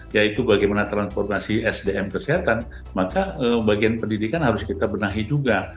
yaitu bagaimana transformasi sdm kesehatan maka bagian pendidikan harus kita benahi juga